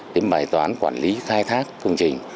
đến bài toán quản lý khai thác công trình